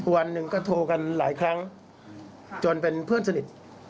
วันหนึ่งก็โทรกันหลายครั้งจนเป็นเพื่อนสนิท